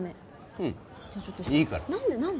うんじゃちょっといいから何で何で！？